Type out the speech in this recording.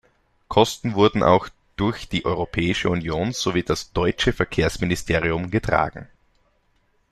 Kosten wurden auch durch die Europäische Union sowie das deutsche Verkehrsministerium getragen.